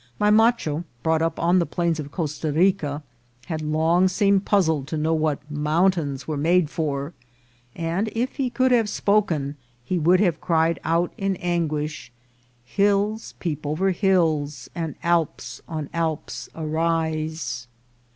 My macho, brought up on the plains of Costa Rica, had long seemed puzzled to know what mountains were made for ; if he could have spoken, he would have cried out in anguish, " Hills peep o'er hills, and Alps on Alps arise."